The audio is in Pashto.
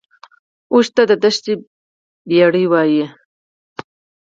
اوښ ته د دښتې بیړۍ وایي